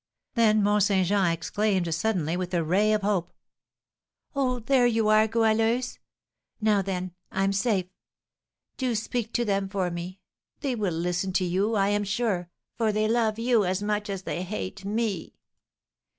Then Mont Saint Jean exclaimed suddenly, with a ray of hope, "Oh, there you are, Goualeuse! Now, then, I'm safe; do speak to them for me; they will listen to you, I am sure, for they love you as much as they hate me."